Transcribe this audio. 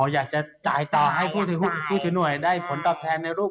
อยากจะจ่ายต่อให้ผู้ถือหน่วยได้ผลตอบแทนในรูป